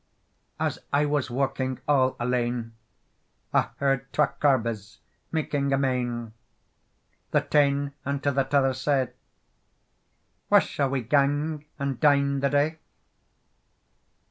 AS I was walking all alane, I heard twa corbies making a mane; The tane unto the t'other say, "Where sall we gang and dine the day?"